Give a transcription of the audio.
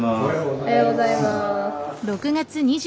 おはようございます。